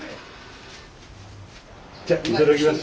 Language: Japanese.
じゃいただきます。